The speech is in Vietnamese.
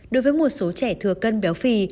đối với một số trẻ thừa cân béo phì